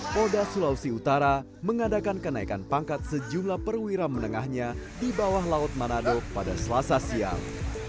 polda sulawesi utara mengadakan kenaikan pangkat sejumlah perwira menengahnya di bawah laut manado pada selasa siang